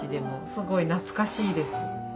すごい懐かしいです。